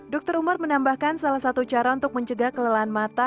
dokter umar menambahkan salah satu cara untuk mencegah kelelahan mata